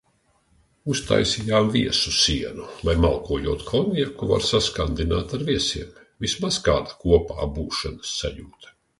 Uztaisījām viesu sienu, lai malkojot konjaku var saskandināt ar "viesiem", vismaz kāda kopābūšanas sajūta...